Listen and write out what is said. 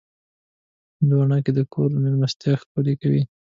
هندوانه د کور مېلمستیا ښکلې کوي.